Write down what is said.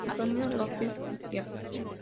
Antonio López y Cía.